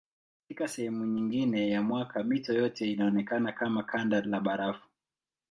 Katika sehemu nyingine ya mwaka mito yote inaonekana kama kanda la barafu.